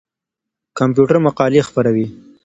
کمپيوټر مقالې خپروي.